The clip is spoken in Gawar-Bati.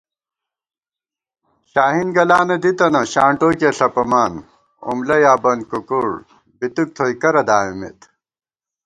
شاہین گلانہ دِتَنہ ، شانٹوکِیہ ݪَپَمان * اُملہ یا بن کُکُڑ ، بِتُوک تھوئی کرہ دامِمېت